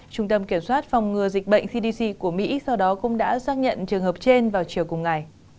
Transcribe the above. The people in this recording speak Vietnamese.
trung tâm kiểm soát phòng ngừa dịch bệnh cdc của mỹ sau đó cũng đã xác nhận trường hợp trên vào chiều cùng ngày